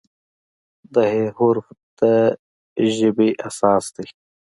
د "ه" حرف د ژبې اساس دی.